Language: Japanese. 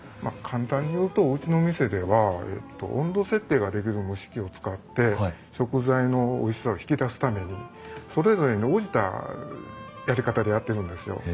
簡単に言うとうちの店では温度設定ができる蒸し器を使って食材のおいしさを引き出すためにそれぞれに応じたやり方でやってるんですよ。